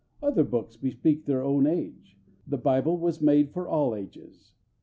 Other books bespeak their own age; the Bible was made for all ages.